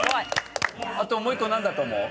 あともう１個何だと思う？